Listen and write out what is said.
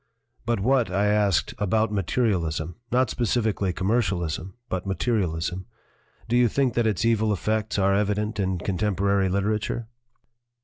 "But what," I asked, "about materialism not specifically commercialism, but materialism? Do you think that its evil effects are evident in con temporary literature?"